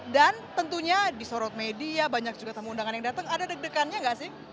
dan tentunya disorot media banyak juga tamu undangan yang datang ada deg degannya enggak sih